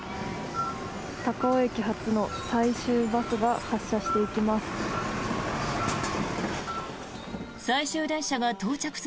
高尾駅発の最終バスが発車していきます。